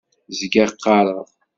Zgiɣ qqaṛeɣ.